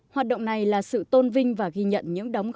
hoạt động này là sự tôn vinh và ghi nhận những đồng hành